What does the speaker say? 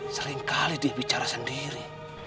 seringkali dia bicara sendiri